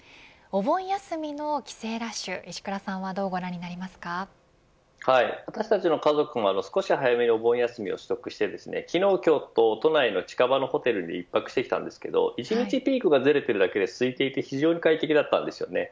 お盆休みの帰省ラッシュ石倉さんは私たちの家族は少し早めのお盆休みを取得して昨日今日と都内の近場のホテルで１泊してきたんですけど１日ピークがずれてるだけですいていて非常に快適だったんです。